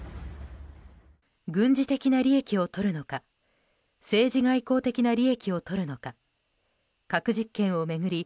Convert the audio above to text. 軍事的な利益をとるのか政治外交的な利益をとるのか核実験を巡り